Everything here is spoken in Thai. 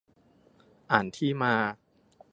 อ่านที่มา